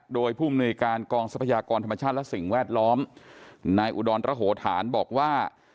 โดยผู้มนุยการกองทรัพยากรธรรมชาติและสิ่งแวดล้อมนายอุดรระโหธานบอกว่า